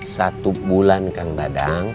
satu bulan kang dadang